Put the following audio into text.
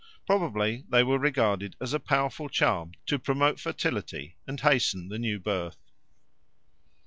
Probably they were regarded as a powerful charm to promote fertility and hasten the new birth.